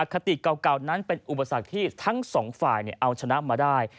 คติเก่านั้นเป็นอุปสรรคที่ทั้งสองฝ่ายเอาชนะมาได้